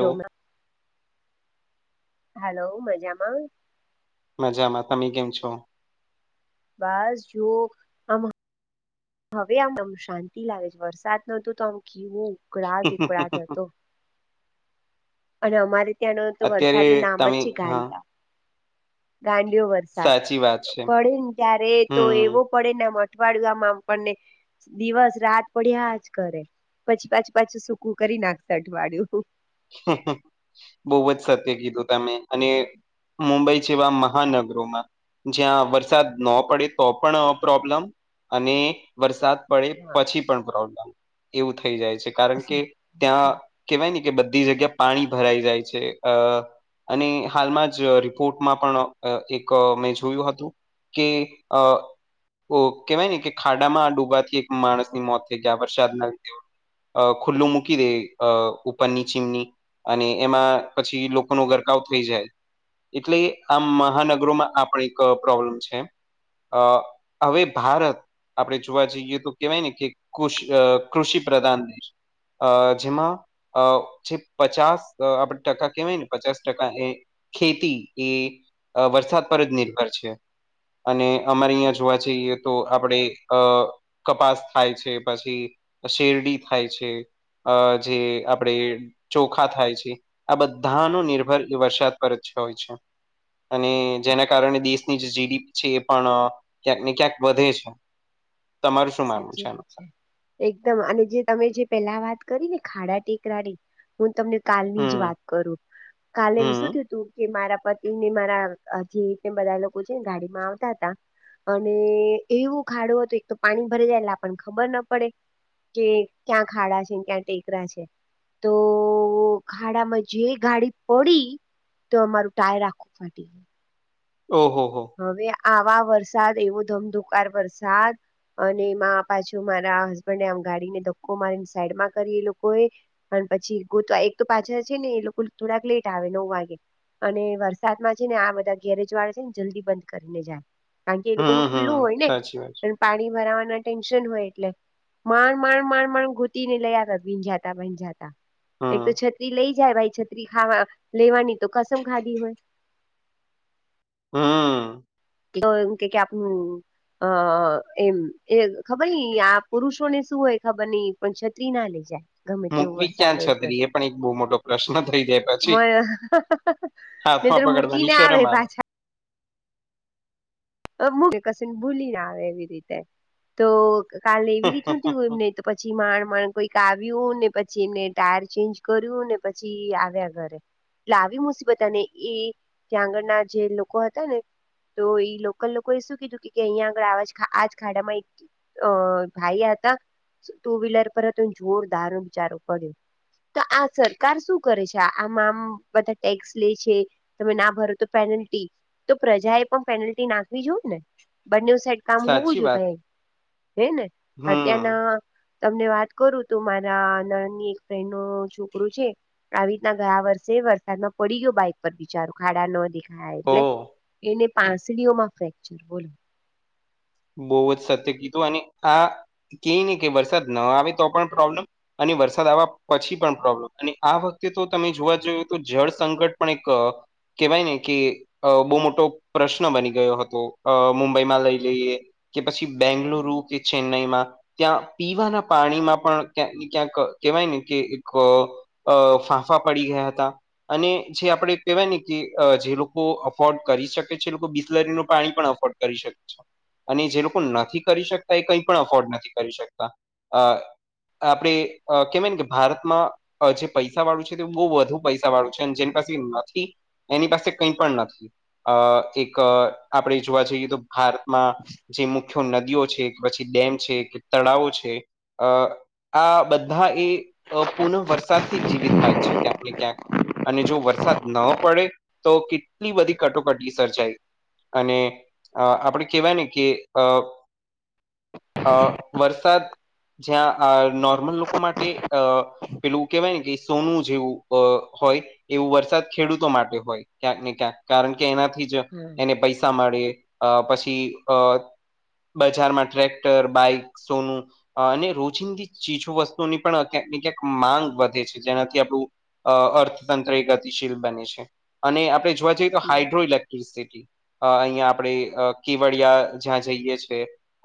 એ hello મજામાં મજામાં તમે કેમ છો બસ જોુક હવે આમમ શાંતિ લાગે છે વરસાદ ન હતું તો આમ કીવું હોવ કુરાટ કુળાટ હતો અને અમારે ત્યાંનો તો વરસાદ અત્યારે ન નામ જ તમે છે હા ગાંટા ગાંડિયો વરસાદ સાચી વાત છે પડે ને ત્યારે તો હમ એવો પડેને આ મઠવાડ ગમાં આપને દિવસ રાત પડ્યા જ કરે પછી પાછું પાછું સૂકું કરી નાખતા અઠવાડિું બહ જ સત્ય કીધું તમે અને મુંબઈ જેવા મહાનગર જ્યાં વરસાદ ન પડે તો પણ પ્રોબ્લમ અને વરસાદ પડે હા પછી પણ પ્રોબ્લેમ એવું થઈ જાય છે કારણ કે ત્યાં સાચી કેવાય ને કે બધી જગ્યા પાણી ભરાઈ જાય છે અ અને હાલમાં જ રિપોર્ટમાં પણ એક મેં જોયું હતું કે આ ઓ કેહેવાય ને કે ખાડામાં આ ડૂબાથી એક માણસની મોત થઈ ગયા વરસાદના લીધ અ ખુલ્લુ મુકીી દ અ ઉપર પની ચીમની અને એમાં પછી લોકો ન ગરકાવ થઈ જાય એટલે આ મહાનગરોમાં આપ એક પ્રોબ્લેમ છે અ હવે ભારત આપણે જોવા જઈએ તો કેવાય ને કે કૃષિ પ્રધાન દેશ અ જેમાં અ જે પચાસ આપડ ટકા કેવાય ને પચાસ ટકા એ ખેતી એ વરસાદ પર જ નિર્ભર છે અને અમારે અહીંયા જોવા જઈએ તો આપણે અ કપાસ થાય છે પછી શેરડી થાય છે અ જે આપણેે ચોખા થાય છે આ બધા ન નિર્ભર વરસાદ પર જ હોય છે અને જેના કારણે દેશની જે જીડીપી છે એ પણ ક્યાંક ને ક્યાંક વધે છે [inaudible] માનવું સાચી આનું વાત છે એકદમ અને જે તમે જે પેલા વાત કરી ને ખાડા ટેકરાની હું તમને કાલની જ હમ વાત કરું કાલે શું હમ થય તું કે મારા પતિ ને મારા જે ને બધા લોકો છે ને ગાડી માં આવતા હતા અને એવું ખાડું હતું એક તો પાણી ભરી જાય એટલા પણ ખબર ના પડે કે ક્યાં ખાડા છે ને ક્યાં ટેકરા છે તો ખાડામાં જે ગાડી પડી તો અમારું ટાય રાખવું ફટી ઓહ હો હવે આવા વરસાદ એવો ધમધુકાર વરસાદ અને એમાં પાછું મારા હસબન્ડને આ ગાડીને ધકો મારીને સાઈડમાં કરી એ લોકો એ પણ પછી ગોતવા એક તો પાછા છે ને એ લોકો થોડાક લેટ આવે નવ વાગે અને વરસાદમાં છે ને આ બધા ગેરેજ વાળા છે ને જલ્દી બંધ કરીને જાય કારણ કે એ લોકો ન હમ ખુલ્લું હમ હોય સાચી વાત છે ને પાણી ભરાવાના ટેન્શન હોય એટલે માણ માણ માણ માણ ગૂતી ને લયા આવ ભીંજાતા ભંજાતા એક હમ તો છત્રી લઈ જાય ભાઈ છત્રી ખાવા લેવાની તો કસમ ખાધી હોય હા તો એમ કે આપ અ એમ એ ખબર ન આ પુરુષો ને શું હોય ખબર નઈ પણ છત્રી ના લે જાય ગમે તેવું મૂકવી વરસાદ ક્યાં હોય તો છત્રી એ પણ એક બહુ મોટો પ્રશ્ન થઈ જાય પછી ને હાથમાં તો પકડવાની મૂકીને આવે શરમ પાછા ક ભૂલી ના આવે એવી રીતે તો કાલે એવી રીત ન થયય એમ નહી તો પછી માણ માણ કોઈક આવ્યું ને પછી એમને ટાયર ચેન્જ કર્યું ને પછી આવ્યા ઘરે એટલે આવી મુસીબત અને એ ત્યાં આગળના જે લોકો હતા ને તો એ લોકો એ શું કીધું કે અહીિયાં આગળ આજ ખાડામાં એક અ ભાઈયા હતા ટુ વ્હીલર પર હત જોરદારો બિચારો પડ્યો તો આ સરકાર શું કરે છે આમાં આમ બધા ટેક્સ લે છે તમે ના ભરો તો પેનલ્ટી તો પ્રજા એ પણ પેનલ્ટી નાખ આવી જોય ને બંને સાઈડ કામ હોવું સાચી જોઈએ વાત ભાઈ હે ને હમ અત્યારના તમને વાત કરું તો મારા નળની એક ફ્રેન્ડ નું છોકરું છે આવી રીતના ગયા વર્ષે વરસાદમાં પડી ગયો બાઈક પર બિચારુ ખાડા ન દે હા એટલે ઓ એને પાસડીઓમાં ફ્રેક્ચર બોલો બહુ જ સત્ય કીધું અને આ કેય ની કે વરસાદ ન આવે તો પણ પ્રોબ્લેમ અને વરસાદ આવવા પછી પણ પ્રોબ્લેમ અને આ વખતે તો તમે જોવા જઈએ તો જળ સંકટ પણ એક કેવાય ને કે અ બહુ મોટો પ્રશ્ન બની ગયો હતો અ મુંબઈમાં લઈ લઈએ કે પછી બેંગલુરુ કે ચેન્નાઈમાં ત્યાં પીવાના પાણીમાં પણ ક્યાંક ને ક્યાંક કેહેવાય ને કે એક અ ફાંફા પડી ગયા હતા અને જે આપડે કેહેવાય ને કે અ જે લોકો અફોર્ડ કરી શકે છે એ લોકો બિસ્લરીનું પાણી પણ અફોર્ડ કરી શક છો અને જે લોકો નથી કરી શકતા એ કંઈ પણ અફોર્ડ નથી કરી શકતા અ આપડે અ કેવાય ન કે ભારતમાં અ જે પૈસા વાળું છે તે બહુ વધુ પૈસા વાળું છે અને જેની પાસે નથી એની પાસે કઈ પણ નથી અ એક આપણે જોવા જઈએ તો ભારતમાં જે મુખ્ય નદીઓ છે કે પછી ડેમ છે કે તળાવો છે અ આ બધા એ અ પૂનઃ વરસાદથી જીવિત થાય છે ક્યાંક ને ક્યાંક અને જો વરસાદ ન પડે તો કેટલી બધી કટોકટી સર્જાય અને અ આપણે કેહેવાય ને કે અ અ વરસાદ જ્યાં આં નોર્મલ લોકો માટે અ પેલું કેવાય ને કે સોનું જેવું અ હોય એવું વરસાદ ખેડૂતો માટે હોય ક્યાંક ને ક્યાંક કારણ કે એનાથી જ્ય હા એને પૈસા મળે અ પછી અ બજારમાં ટ્રેક્ટર બાઈક સોનું અને રોજિંદી ચીજો વસ્તુની પણ ક્યાંક ને ક્યાંક માંગ વધે છે જેનાથી આપણું અ અર્થતંત્ર એ ગતિશીલ બને છે અને આપણે જોવા જઈ તો હાઇડ્રો ઇલેક્ટ્રિસિટી અ અહિયા આપડે અ કેવડિયા જ્યાં જઈએ છે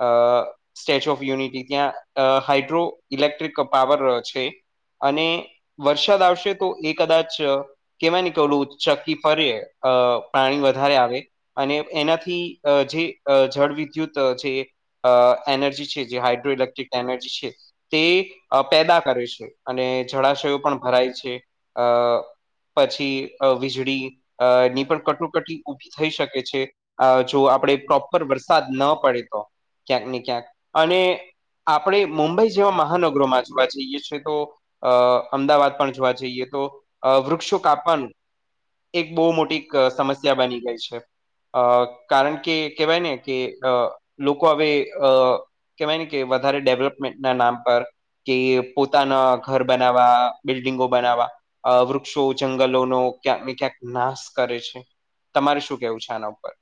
અ સ્ટેચ્યુ ઓફ યુનિટી ત્યાં અ હાઇડ્રો ઇલેક્ટ્રિક પાવર છે અને વરસાદ આવશે તો એ કદાચ કેવાય ને કે ઓલું ચક્કી ફરે અ પાણી વધારે આવે અને એનાથી અ જે અ જળ વિદ્યુત જે અ એનર્જી છે જે હાઇડ્રો ઇલેક્ટ્રિક એનર્જી છે તે અ પેદા કરે છે અને જળાશયો પણ ભરાય છે અ પછી અ વીજળી અ ની પણ કટોકટી ઊભી થઈ શકે છે અ જો આપણેે પ્રોપર વરસાદ ન પડે તો ક્યાંક ને ક્યાંક અને આપણે મુંબઈ જેવા મહાનગરોમાં જોવા જઈએ છીએ તો અ અમદાવાદ પણ જોવા જઈએ તો અ વૃક્ષો કાપવાનું એક બહુ મોટી ક સમસ્યા બની ગઈ છે અ કારણ કે કેહવાય ને કે અ લોકો હવે અ કહેવાય ને કે વધારે ડેવલપમેન્ટ ના નામ પર કે પોતાના ઘર બનાવા બિલ્ડિંગો બનાવવા અ વૃક્ષો જંગલોનો ક્યાંક ને ક્યાંક નાશ કરે છે તમારે શું કેવું છે આના ઉપર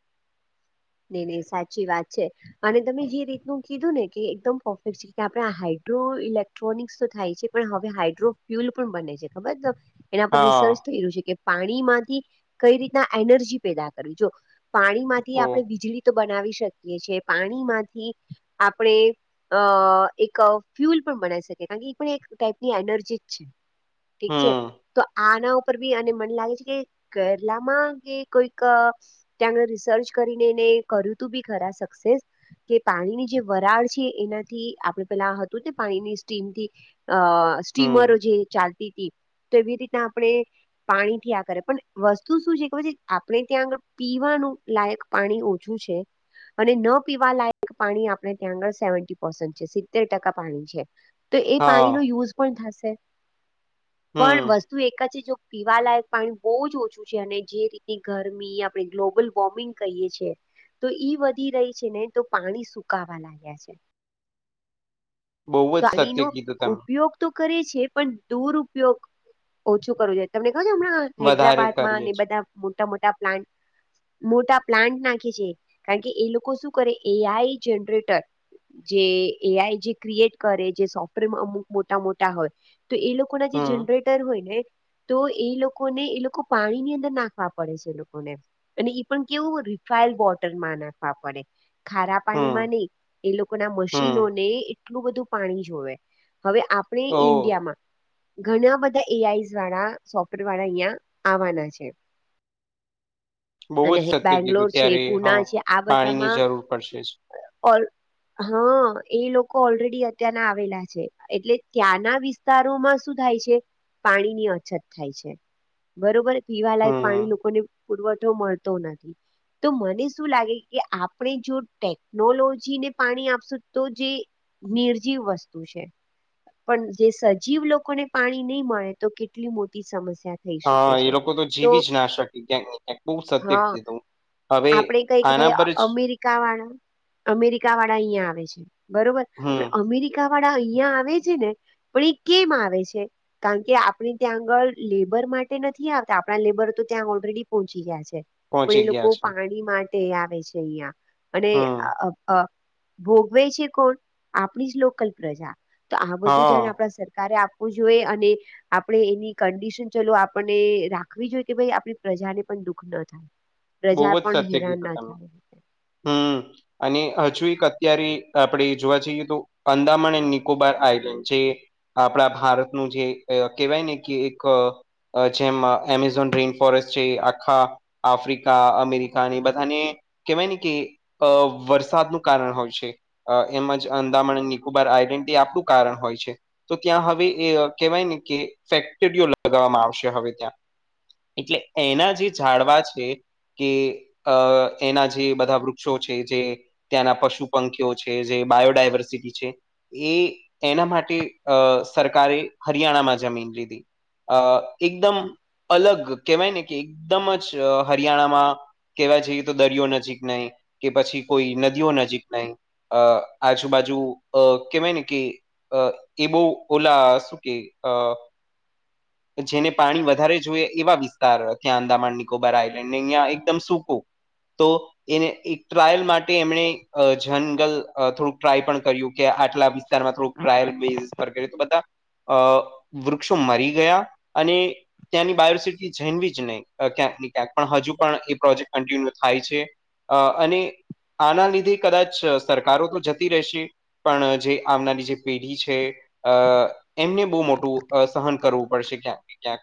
નહી નહી સાચી વાત છે અને તમે જે રીતનું કીધું ને કે એકદમ પરફેક્ટ છે કે આપણેે આ હાઇડ્રો ઇલેક- ટ્રોનિકસ તો થાય છે પણ હવે હાઇડ્રોફ્યુલ પણ બને છે, ખબર તમને એના પર હા રિસર્ચ થઈ રહ્યું છે કે પાણીમાંથી કઈ રીતના એનર્જી પેદા કરવી, જો પાણીમાંથી ઓ આપણે વીજળી તો બનાવી શકીએ છીએ, પાણી માંથી આપણે અ એક ફ્યુલ પણ બનાવી શકે આની પણ એક ટાઈપની એનર્જી જ છે. ઠીક છે હમ તો આના ઉપર ભી અને મને લાગે છે કે કેરલામાં જે કોઈક ત્યાં રિસર્ચ કરીને એને કર્યું તું ભી ખરા સકસેસ કે પાણીની જે વરાળ છે એનાથી આપણે પેલા હતું તે પાણીની સ્ટીમથી અ સ્ટીમરો હમ જે ચાલતી હતી તો એવી રીતના આપણે પાણી થી આ કરે પણ વસ્તુ શું છે કે પછી આપણે ત્યાં આંગ પીવાનું લાયક પાણી ઓછું છે. અને ન પીવા લાયક પાણી આપણે ત્યાં સેવન્ટિન પસન્ટ છે સિત્તેર ટકા પાણી છે. તો એ પાણીનો હા યુઝ પણ થશે પણ હમ વસ તું એક છે જો પીવાલાયક પાણી બો જ ઓછું છે અને જે રીતની ગરમી આપણે ગ્લોબલ વોર્મિંગ કહીએ છે તો ઈ વધી રહી છે ને તો પાણી સુકાવા લાગ્યા છે. બહુ જ સત્ય પાણીનો કીધું તમે ઉપયોગ તો કરે છે પણ દુરયોગ ઓછું કરવો જોઈ તમને ખબર હમણાં વધારે હૈદરાબાદમાં અને કરીએ એ છે બધા મોટા મોટા પ્લાન્ટ મોટા પ્લાન્ટ નાખે છે કારણ કે એ લોકો શું કરે એ આઈ જનરેટર જે એ આઈ જે ક્રિએટ કરે જે સોફ્ટવેર અમુક મોટા મોટા હોય તો એ લોકોના જે હમ જનરેટર હોય ને તો એ લોકોને એ લોકો પાણીની અંદર નાખવા પડે છે એ લોકોને અને ઈ પણ કેવું રિફાઈડ વોટરમાં નાખવા પડે. ખારા પાણીમાં હમ નઈ એ લોકો ના હમ મશીનોને એટલું બધું પાણી જોવે, હવે આપણે ઓ ઇન્ડિયામાં ઘણા બધા એ આઈ વાળા સોફ્ટવેર વાળા અહિયાં આવાના છે. બહુ અને જ સત્ય બેંગ્લોર કીધું છે, ત્યારે હા પુના છે, આ પાણીની બધામાં જરૂર પડશે જ ઓલ હા એ લોકો ઓલરેડી અત્યારના આવેલા છે એટલે ત્યાંના વિષ વતારોમાં શું થાય છે, પાણી ની અછત થાય છે બરોબર પીવાલાયક હમ પાણી લોકોને પુરવઠો મળતો નથી. તો મને શું લાગે કે આપણે જો ટેકનોલોજીને પાણી આપશું તો જે નિર્જીવ વસ્તુ છે. પણ જે સજીવ લોકોને પાણી નહી મળે તો કેટલી મોટી સમસ્યા થઈ શકે હા એ છે લોકો તો જીવી જ ના શકે કેમ‌ની બઉ સત્ય હા કીધું હવે આના પર જ કા વાળા અમેરિકા વાળા અહિયાં આવે છે બરોબર હમ પણ અમેરિકા વાળા અહિયાં આવે છે ને પણ એ કેમ આવે છે? કારણ કે આપણી ત્યાં આગળ લેબર માટે નથી આવતા આપણા લેબર તો ત્યાં ઓલરેડી પહોંચી ગયા છે પણ પહોંચી એ લોકો ગયા છે પાણી માટે આવે છે અહિયાં હમ અને ભોગવે છે કોણ આપણી જ લોકલ પ્રજા તો આ બધું ધ્યાન હા આપડા સરકારે આપ વું જોઈએ અને આપણે એની કંડિશન ચલો આપણને રાખવી જોઈએ કે ભાઈ આપણી પ્રજાને પણ દુઃખ ન થાય બહુ પ્રજા જ પણ સત્ય હેરાન કીધું ના તમે થાય. હમ અને હજુ એક અત્યારે આપડે જોવા જઈએ તો અંદામન અને નિકોબાર આઇલેન્ડ છે. આપડા ભારતનું જે કેવાય ને કે એક જેમ એમેઝોન રેન ફોરેસ્ટ છે આખા આફ્રિ કા અમેરિકા ને બધાને કેવાય ને કે અ વરસાદનું કારણ હોય છે. અ એમજ અંદામણ નિકોબાર આઈડેન્ટિ આપણું કારણ હોય છે. તો ત્યાં હવે એ કેવાય ને કે ફેક્ટરીઓ લગાવવામાં આવશે હવે ત્યાં એટલે એના જે ઝાડવા છે કે અ એના જે બધા વૃક્ષો છે જે ત્યાંના પશુ પંખીઓ છે જે બાયોડાયવર્સિટી છે એ એના માટે અ સરકારે હરિયાણામાં જમીન લીધી અ એકદમ અલગ કેવાય ને કે એકદમ જ હ હરિયાણામાં કેહેવાય છે ઈ તો દરિયો નજીક નહી કે પછી કોઈ નદીઓ નજીક નહી અ આજુબાજુ અ કેવાય ને કે અ એ બોવ ઓલા શું કે અ જેને પાણી વધારે જોઈએ એવા વિસ્તાર ત્યાં અંદામાન નિકોબાર આય ને અહિયાં એકદમ સૂકું તો એને એક ટ્રાયલ માટે એમણે આ જંગલ થોડુંક ટ્રાય પણ કર્યું કે આટલા વિસ્તારમાં થોડુક ટ્રાયલ બેસ પર કરી તો બધા અ વૃક્ષો મરી ગયા અને ત્યાંની બાયોસિટી જેનવી જ નહી ક્યાંક ને ક્યાંક પણ હજુ પણ એ પ્રોજેક્ટ કન્ટિન્યુ થાય છે, અ અને આના લીધે કદાચ સરકારો તો જતી રહેશે પણ જે આવનારી જે પેઢી છે, અ એમને બોવ મોટું અ સહન કરવું પડશે ક્યાંક ક્યાક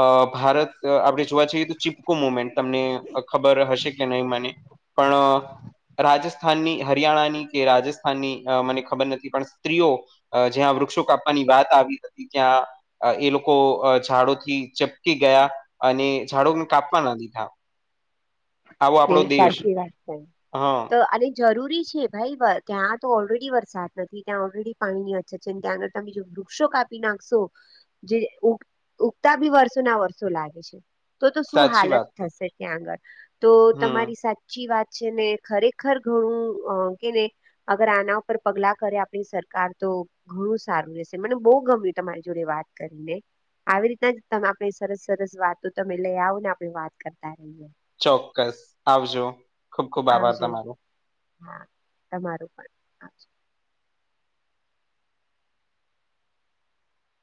અ ભારત આપણેે જોવા જઈએ તો ચી મુમેન્ટ તમને ખબર હશે કે નહી મને પણ રાજસ્થાનની હરિયાણાની કે રાજસ્થાનની મને ખબર નથી પણ સ્ત્રીઓ જ્યાં વૃક્ષો કાપવાની વાત આવી ત્યાં એ લોકો ઝાડોથી ચપકી ગયા અને ઝાડો કાપવા ના દીધા આવો આપણો એ દેશ સાચી વાત છે, હા તો અને જરૂરી છે ભાઈ ત્યાં તો ઓલરેડી વરસાદ નથી ત્યાં ઓલરેડી પાણીની અછત છે ને ત્યાના તમે જો વૃક્ષો કાપી નાખશો જે ઉગતા બી વર્ષો ના વર્ષો લાગે છે. તો તો શું સાચી હાલત વાત થશે ત્યાં આગળ તો હમ તમારી સાથ સાચી વાત છે ને ખરેખર ઘણું અ કેને અગર આના ઉપર પગલા કરે આપણી સરકાર તો ઘણું સારું રહેશે મને બો ગમ્યું તમારી જોડે વાત કરીને આવી રીતના જ તમે આપણે સરસ સરસ વાતો તમે લઈ આવ ને આપણે વાત કરતા રહીએ ચોક્કસ આવજો ખુબ ખુબ આભાર આવજો તમારો હા તમારું પણ